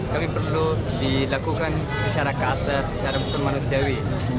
kami perlu dilakukan secara kasar secara bukan manusiawi